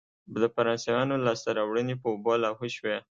د فرانسویانو لاسته راوړنې په اوبو لاهو شوې.